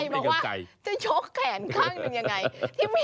บอกว่าจะยกแขนข้างหนึ่งยังไง